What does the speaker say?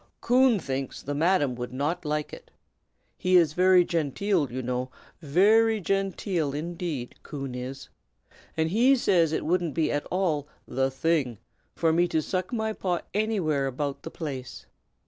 "Coon thinks the Madam would not like it. He is very genteel, you know, very genteel indeed, Coon is; and he says it wouldn't be at all 'the thing' for me to suck my paw anywhere about the place.